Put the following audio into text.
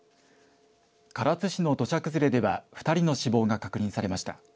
唐津市の土砂崩れでは２人の死亡が確認されました。